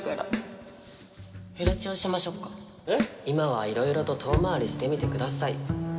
今はいろいろと遠回りしてみてください。